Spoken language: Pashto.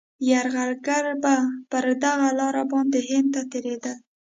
یرغلګر به پر دغه لاره باندي هند ته تېرېدل.